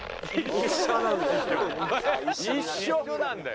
一緒なんだよ。